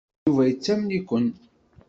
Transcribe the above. Yuba yettamen-ikem.